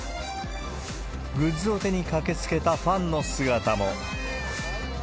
グッズを手に駆けつけたファンの姿も。